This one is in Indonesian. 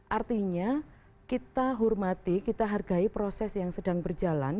artinya kita hormati kita hargai proses yang sedang berjalan